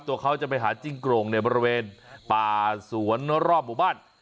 ตัวเขาจะไปหาจิ้งโกร่งในบริเวณป่าสวนรอบหมู่บ้าน